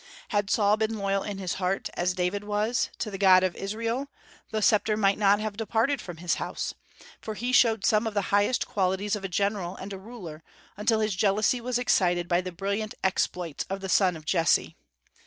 Had Saul been loyal in his heart, as David was, to the God of Israel, the sceptre might not have departed from his house, for he showed some of the highest qualities of a general and a ruler, until his jealousy was excited by the brilliant exploits of the son of Jesse.